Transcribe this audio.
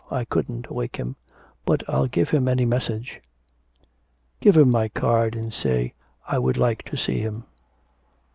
I couldn't awake him. But I'll give him any message.' 'Give him my card and say I would like to see him.